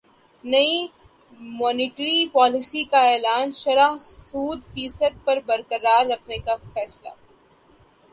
نئی monetary policy کا اعلان شرح سود فیصد پر برقرار رکھنے کا فیصلہ